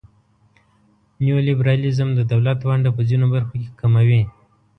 نیولیبرالیزم د دولت ونډه په ځینو برخو کې کموي.